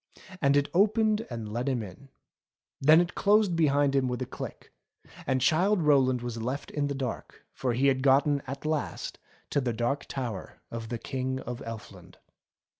And it opened and let him in. Then it closed behind him with a click, and Childe Rowland was left in the dark ; for he had gotten at last to the Dark Tower of the King of Elfland.